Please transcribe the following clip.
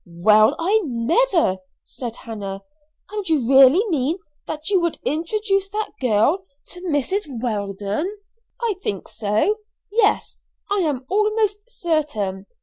"Well, I never!" said Hannah. "And you really mean that you would introduce that girl to Mrs. Weldon?" "I think so. Yes, I am almost certain.